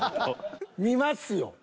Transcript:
見ますよ。